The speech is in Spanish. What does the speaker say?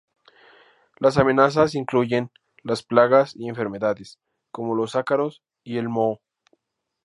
Las amenazas incluyen las plagas y enfermedades, como los ácaros y el moho.